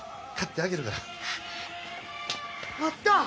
あった！